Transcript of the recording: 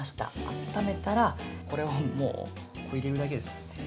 あっためたら、これを、もう入れるだけです。